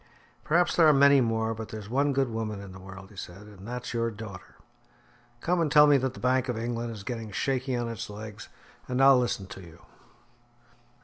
"Perhaps there are many more, but there's one good woman in the world," he said, "and that's your daughter. Come and tell me that the Bank of England is getting shaky on its legs, and I'll listen to you."